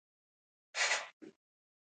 چرته چې دوي ته